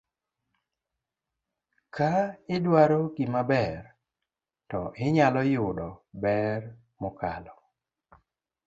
ka idwaro gimaber to inyalo yudo ber mokalo.